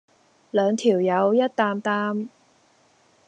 兩條友一擔擔